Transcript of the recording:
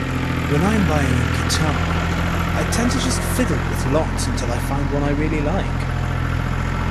When I'm buying a guitar I tend to just fiddle with lots until I find one I really like.